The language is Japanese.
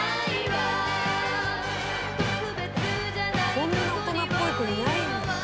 「こんな大人っぽい子いないよね